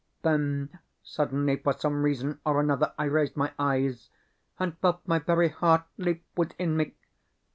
Then suddenly, for some reason or another, I raised my eyes and felt my very heart leap within me!